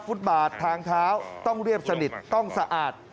ฟุตบาททางเท้าต้องเรียบสนิทต้องสะอาด